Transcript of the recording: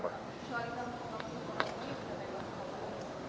soal itu apa